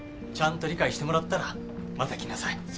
ちゃんと理解してもらったらまた来なさい。